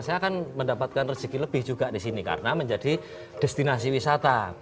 saya akan mendapatkan rezeki lebih juga di sini karena menjadi destinasi wisata